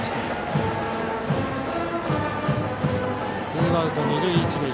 ツーアウト二塁一塁。